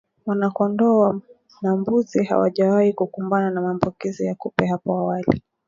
Wanakondoo na mbuzi hawajawahi kukumbana na maambukizi ya kupe hapo awali